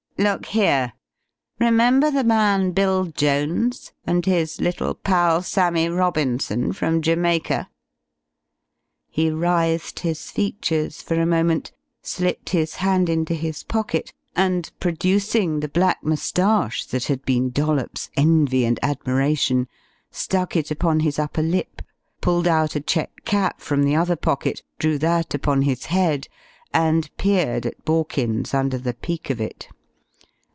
"Look here. Remember the man Bill Jones, and his little pal Sammie Robinson, from Jamaica?" He writhed his features for a moment, slipped his hand into his pocket, and producing the black moustache that had been Dollops's envy and admiration, stuck it upon his upper lip, pulled out a check cap from the other pocket, drew that upon his head, and peered at Borkins under the peak of it.